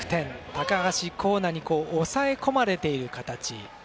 高橋光成に抑え込まれている形。